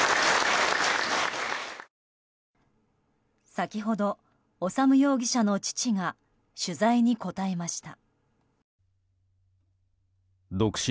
先ほど、修容疑者の父が取材に答えました。